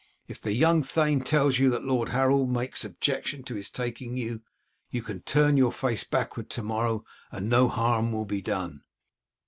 If the young thane tells you that Lord Harold makes objection to his taking you, you can turn your face backward to morrow and no harm will be done."